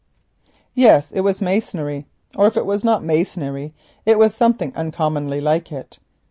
Yes, it was masonry, or if it was not masonry it was something uncommonly like it.